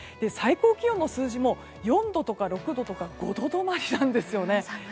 最高気温の数字も４度とか６度とか５度止まりなんです。